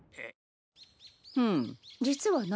うむ実はな。